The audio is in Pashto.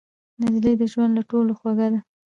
نجلۍ د ژوند له ټولو خوږه ده.